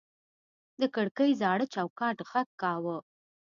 د کړکۍ زاړه چوکاټ غږ کاوه.